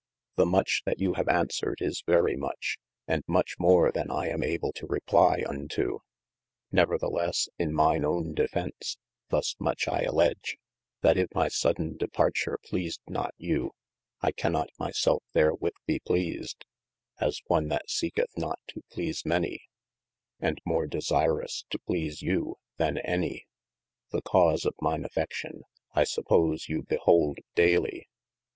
386 OF MASTER F. J. THE much that you have answered is very much, and much more than I am able to reply unto : neverthelesse in myne owne defence, thus much I alleage: that if my sodein departure . pleased not you, I cannot my selfe therwith be pleased, as one 1 that seeketh not to please many, and more desirous to please you than any. The cause of myne affe&ion, I suppose you behold dayly.